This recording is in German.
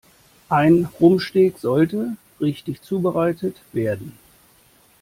Ein Rumpsteak sollte richtig zubereitet werden.